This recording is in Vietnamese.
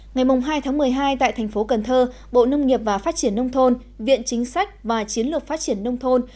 ngày hai một mươi hai tại tp cn bộ nông nghiệp và phát triển nông thôn viện chính sách và chiến lược phát triển nông thôn